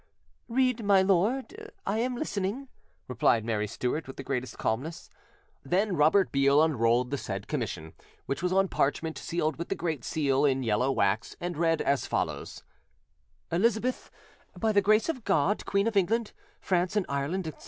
"Read, my lord; I am listening," replied Mary Stuart, with the greatest calmness. Then Robert Beale unrolled the said commission, which was on parchment, sealed with the Great Seal in yellow wax, and read as follows: "Elizabeth, by the grace of God, Queen of England, France, and Ireland, etc.